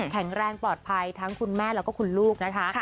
แข็งแรงปลอดภัยทั้งคุณแม่แล้วก็คุณลูกนะคะ